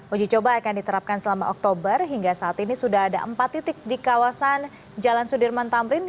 uji coba akan diterapkan selama oktober hingga saat ini sudah ada empat titik di kawasan jalan sudirman tamrin